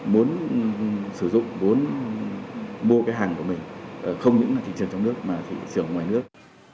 muốn sử dụng muốn mua cái hàng của mình không những là thị trường trong nước